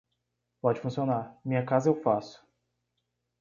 Pode funcionar, minha casa eu faço.